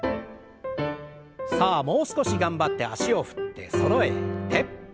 さあもう少し頑張って脚を振ってそろえて。